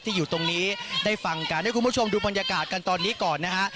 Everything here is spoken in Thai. อยู่ตรงนี้ได้ฟังกันให้คุณผู้ชมดูบรรยากาศกันตอนนี้ก่อนนะฮะ